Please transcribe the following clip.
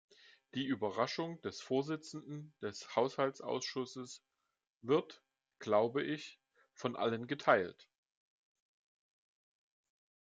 Die Überraschung des Vorsitzenden des Haushaltsausschusses wird - glaube ich - von allen geteilt.